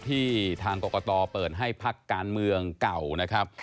ทางกรกตเปิดให้พักการเมืองเก่านะครับ